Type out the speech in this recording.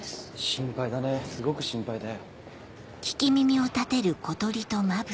心配だねすごく心配だよ。